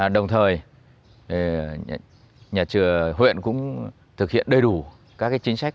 đồng thời nhà trường huyện cũng thực hiện đầy đủ các chính sách